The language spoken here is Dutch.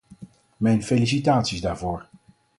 Mijn felicitaties daarvoor.